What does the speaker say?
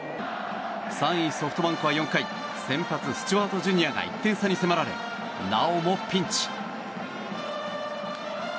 ３位、ソフトバンクは４回先発、スチュワート・ジュニアが１点差に迫られなおもピンチ。